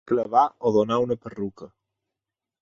Clavar o donar una perruca.